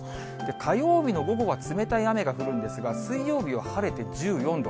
火曜日の午後は冷たい雨が降るんですが、水曜日は晴れて１４度。